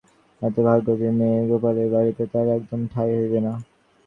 এমন হতভাগ্য যে মেয়ে, গোপালের বাড়িতে তার একদম ঠাই হইবে না।